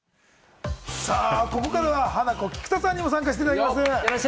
ここからはハナコ・菊田さんにも参加していただきます。